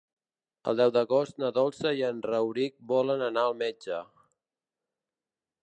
El deu d'agost na Dolça i en Rauric volen anar al metge.